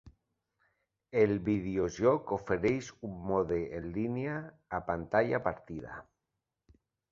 El videojoc ofereix un mode en línia a pantalla partida.